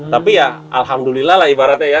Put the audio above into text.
tapi ya alhamdulillah lah ibaratnya ya